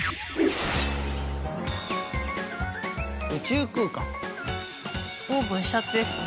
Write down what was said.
「宇宙空間」「オープンしたてですね」